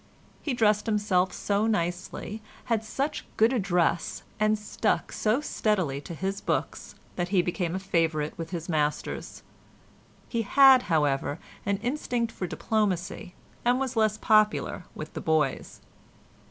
He dressed himself so nicely, had such good address, and stuck so steadily to his books that he became a favourite with his masters; he had, however, an instinct for diplomacy, and was less popular with the boys.